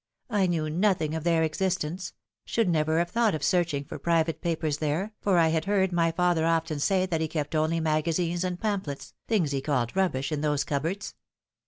I knew nothing of their existence should never have thought of searching for private papers there, for I bad heard my father often say that he kept only magazines and pamphlets things he called rubbish in those cupboards.